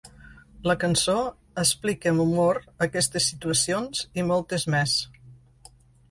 La cançó explica amb humor aquestes situacions i moltes més.